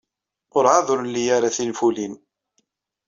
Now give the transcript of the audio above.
Werɛad ur nli ara tinfulin.